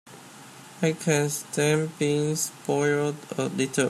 I can stand being spoiled a little.